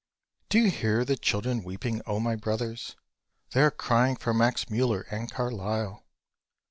Do you hear the children weeping, O my Brothers? They are crying for Max Müller and Carlyle.